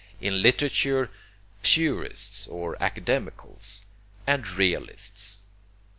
In literature, purists or academicals, and realists.